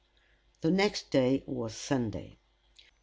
The next day was Sunday.